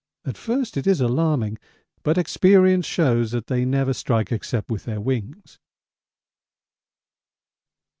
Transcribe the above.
At first it is alarming, but experience shows that they never strike except with their wings.